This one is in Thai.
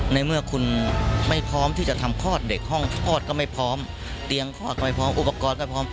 ในเมื่อคุณไม่พร้อมที่จะทำคลอดเด็กห้องคลอดก็ไม่พร้อมเตียงคลอดก็ไม่พร้อมอุปกรณ์ก็พร้อม